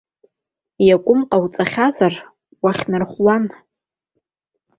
Иакәымк ҟауҵахьазар уахьнархәуан.